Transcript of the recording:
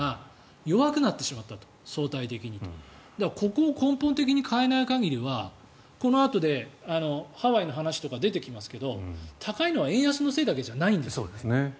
ここを根本的に変えない限りはこのあとでハワイの話とか出てきますけど高いのは円安のせいだけじゃないんです。